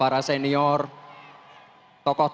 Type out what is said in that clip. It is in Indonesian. orang yang dipermenbm